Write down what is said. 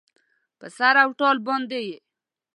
په سر او تال باندې یې